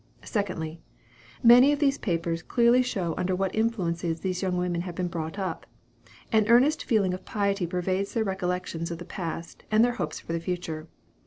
Secondly many of these papers clearly show under what influences these young women have been brought up. An earnest feeling of piety pervades their recollections of the past, and their hopes for the future.